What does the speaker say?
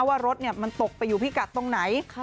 ว่ารถมันตกไปอยู่พิกัดตรงไหน